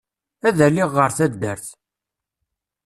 Ad aliɣ ɣer taddart.